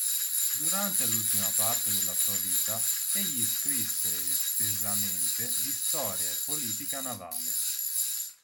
Durante l'ultima parte della sua vita egli scrisse estesamente di storia e politica navale.